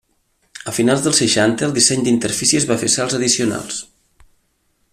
A finals dels seixanta el disseny d'interfícies va fer salts addicionals.